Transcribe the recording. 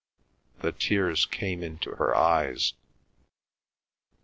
The tears came into her eyes.